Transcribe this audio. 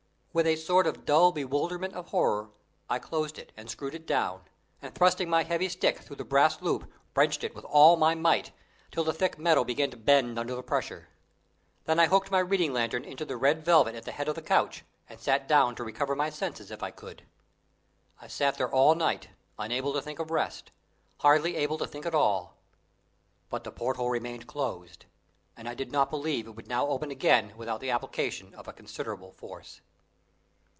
With a sort of dull bewilderment of horror I closed it and screwed it down, and thrusting my heavy stick through the brass loop, wrenched it with all my might, till the thick metal began to bend under the pressure. Then I hooked my reading lantern into the red velvet at the head of the couch, and sat down to recover my senses if I could. I sat there all night, unable to think of rest hardly able to think at all. But the porthole remained closed, and I did not believe it would now open again without the application of a considerable force.